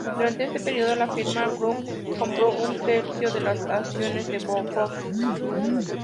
Durante este periodo, la firma Krupp compró un tercio de las acciones de Bofors.